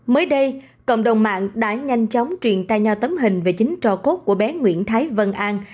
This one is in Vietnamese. mới đây cộng đồng mạng đã nhanh chóng truyền tay nhau tấm hình về chính cho cốt của bé nguyễn thái vân an